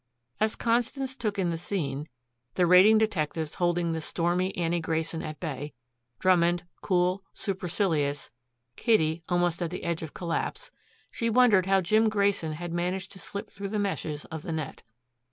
As Constance took in the scene the raiding detectives holding the stormy Annie Grayson at bay, Drummond, cool, supercilious, Kitty almost on the edge of collapse she wondered how Jim Grayson had managed to slip through the meshes of the net.